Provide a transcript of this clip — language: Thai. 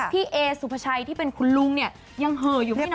พี่เอสุภาชัยที่เป็นคุณลุงเนี่ยยังเหอะอยู่ไม่นาน